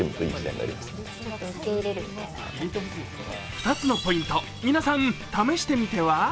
２つのポイント、皆さん試してみては？